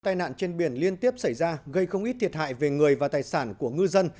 tai nạn trên biển liên tiếp xảy ra gây không ít thiệt hại về người và tài sản của ngư dân